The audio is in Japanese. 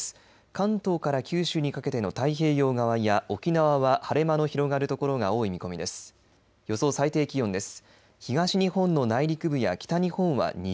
関東から九州にかけての太平洋側や沖縄は晴れ間の広がるところが多い見込みです。